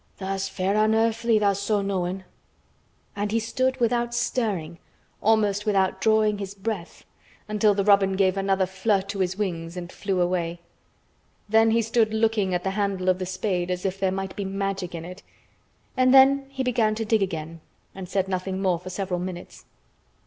Tha's fair unearthly, tha's so knowin'." And he stood without stirring—almost without drawing his breath—until the robin gave another flirt to his wings and flew away. Then he stood looking at the handle of the spade as if there might be Magic in it, and then he began to dig again and said nothing for several minutes.